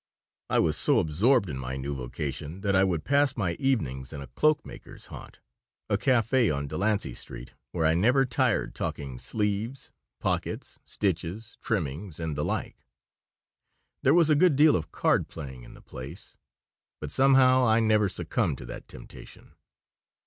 I was so absorbed in my new vocation that I would pass my evenings in a cloak makers' haunt, a café on Delancey Street, where I never tired talking sleeves, pockets, stitches, trimmings, and the like. There was a good deal of card playing in the place, but somehow I never succumbed to that temptation.